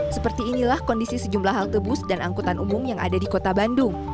seperti inilah kondisi sejumlah halte bus dan angkutan umum yang ada di kota bandung